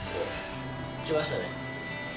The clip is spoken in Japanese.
来ましたね。